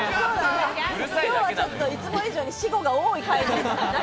今日はちょっといつも以上に私語が多い回で。